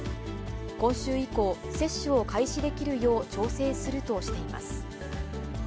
今週以降、接種を開始できるよう調整するとしています。